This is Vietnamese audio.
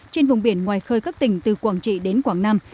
trên vùng biển ngoài khơi các tỉnh từ quảng trị đến quảng nam